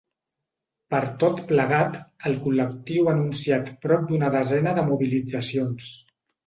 Per tot plegat, el col·lectiu ha anunciat prop d’una desena de mobilitzacions.